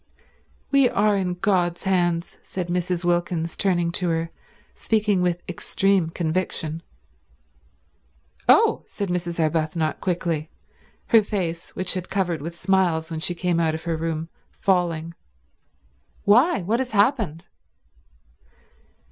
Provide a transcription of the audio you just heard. "We are in God's hands," said Mrs. Wilkins, turning to her, speaking with extreme conviction. "Oh!" said Mrs. Arbuthnot quickly, her face, which had been covered with smiles when she came out of her room, falling. "Why, what has happened?"